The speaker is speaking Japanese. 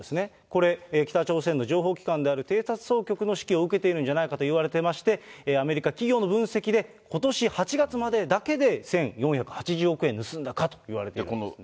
これ、北朝鮮の情報機関である偵察総局の指揮を受けているんじゃないかといわれていまして、アメリカ企業の分析で、ことし８月までだけで、１４８０億円盗んだかといわれてるんです。